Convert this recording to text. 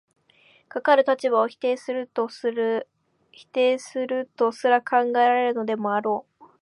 かかる立場を否定するとすら考えられるでもあろう。